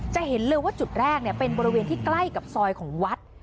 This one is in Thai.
จะเห็นเลยว่าจุดแรกเป็นบริเวณที่ใกล้กับซอยของวัด